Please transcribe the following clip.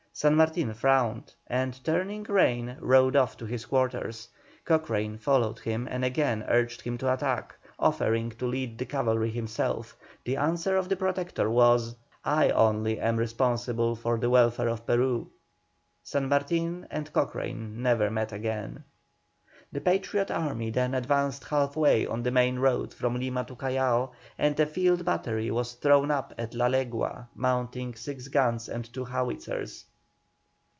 San Martin frowned, and, turning rein, rode off to his quarters. Cochrane followed him and again urged him to attack, offering to lead the cavalry himself. The answer of the Protector was: "I only am responsible for the welfare of Peru." San Martin and Cochrane never met again. The Patriot army then advanced half way on the main road from Lima to Callao, and a field battery was thrown up at La Legua, mounting six guns and two howitzers.